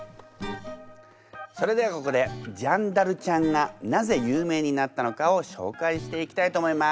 それではここでジャンダルちゃんがなぜ有名になったのかを紹介していきたいと思います。